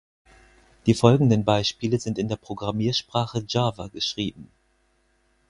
Die folgenden Beispiele sind in der Programmiersprache Java geschrieben.